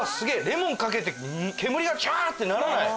レモンかけて煙がヒャーッてならない。